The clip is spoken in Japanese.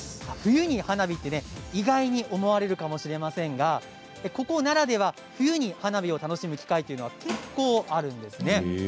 冬に花火って意外に思われるかもしれませんがここ、奈良では冬に花火を楽しむ機会が結構あるんですね。